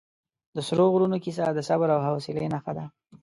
د سرو غرونو کیسه د صبر او حوصلې نښه ده.